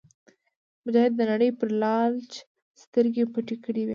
مجاهد د نړۍ پر لالچ سترګې پټې کړې وي.